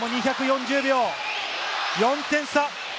４点差。